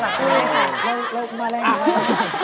เรามาแรงหนึ่งรึไง